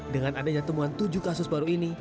dengan adanya temuan tujuh kasus baru ini